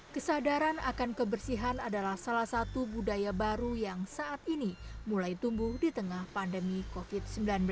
kesadaran akan kebersihan adalah salah satu budaya baru yang saat ini mulai tumbuh di tengah pandemi covid sembilan belas